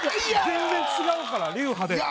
全然違うから流派でや！